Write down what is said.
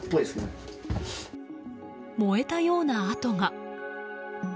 燃えたような跡が。